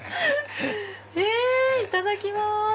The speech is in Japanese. いただきます！